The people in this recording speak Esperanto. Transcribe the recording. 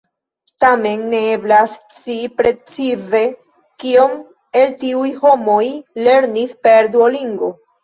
Tamen, ne eblas scii precize kiom el tiuj homoj lernis per Duolingo.